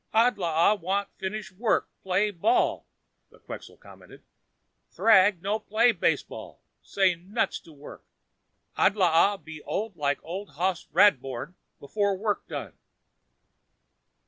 "Adlaa want finish work, play baseball," the Quxa commented. "Thrag no play baseball, say nuts to work. Adlaa be old like Old Hoss Radbourne before work done."